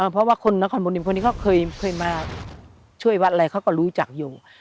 เพราะว่าคนนครมนิมคนนี้เขาเคยมาช่วยวัดอะไรเขาก็รู้จักอยู่